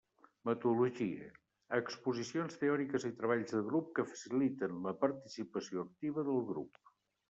Metodologia: exposicions teòriques i treballs de grup que faciliten la participació activa del grup.